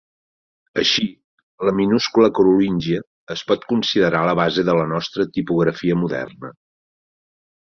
Així, la minúscula carolíngia es pot considerar la base de la nostra tipografia moderna.